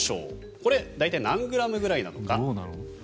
これ、大体何グラムぐらいなのか。